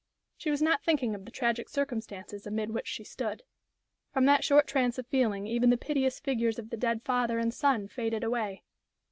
She was not thinking of the tragic circumstances amid which she stood. From that short trance of feeling even the piteous figures of the dead father and son faded away.